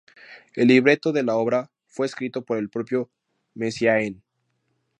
El libreto de la obra fue escrito por el propio Messiaen.